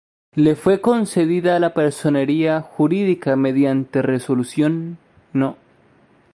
Le fue concedida la Personería Jurídica mediante Resolución No.